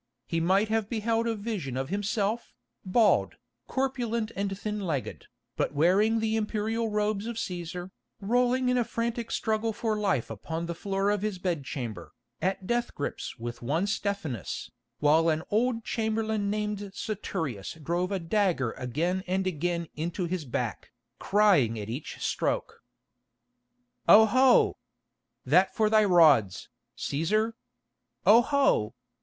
He might have beheld a vision of himself, bald, corpulent and thin legged, but wearing the imperial robes of Cæsar, rolling in a frantic struggle for life upon the floor of his bed chamber, at death grips with one Stephanus, while an old chamberlain named Saturius drove a dagger again and again into his back, crying at each stroke: "Oho! That for thy rods, Cæsar! Oho!